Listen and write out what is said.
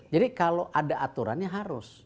jadi kalau ada aturannya harus